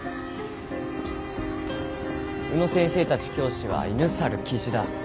宇野先生たち教師は犬猿キジだ。